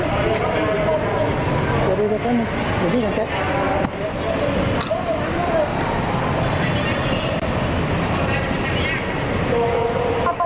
เซลล์ไขแล้วครับ